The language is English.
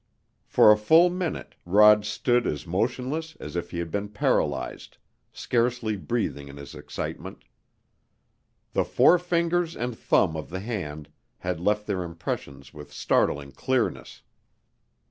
For a full minute Rod stood as motionless as if he had been paralyzed, scarcely breathing in his excitement. The four fingers and thumb of the hand had left their impressions with startling clearness.